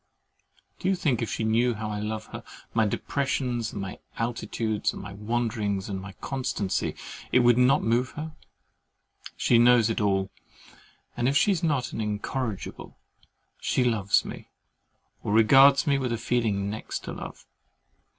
Do you think if she knew how I love her, my depressions and my altitudes, my wanderings and my constancy, it would not move her? She knows it all; and if she is not an INCORRIGIBLE, she loves me, or regards me with a feeling next to love.